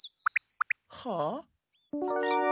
はあ？